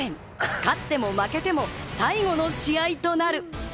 勝っても負けても、最後の試合となる。